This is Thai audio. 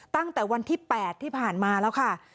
ตั้งแต่วันที่๘ที่ผ่านมาแล้วค่ะ